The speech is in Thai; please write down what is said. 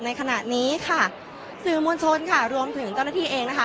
ในขณะนี้ค่ะสื่อมวลชนค่ะรวมถึงเจ้าหน้าที่เองนะคะ